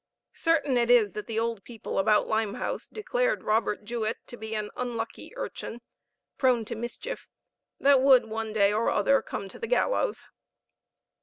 Certain it is that the old people about Limehouse declared Robert Juet to be a unlucky urchin prone to mischief, that would one day or other come to the gallows.